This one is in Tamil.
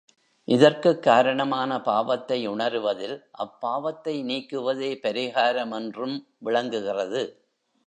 இதற்குக் காரணமான பாவத்தை உணருவதில், அப்பாவத்தை நீக்குவதே பரிகாரமென்றும் விளங்குகிறது.